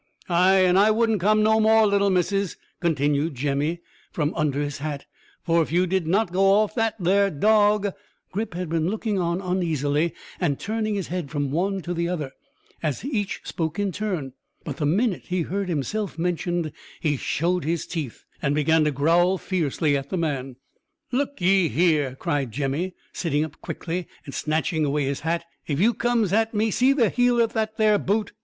"Ay, and I wouldn't come no more, little missus," continued Jemmy, from under his hat, "for if you did not go off, that there dog " Grip had been looking on uneasily, and turning his head from one to the other, as each spoke in turn; but the minute he heard himself mentioned, he showed his teeth, and began to growl fiercely at the man. "Look ye here," cried Jemmy, sitting up quickly and snatching away his hat, "if you comes at me see the heel o' that there boot?"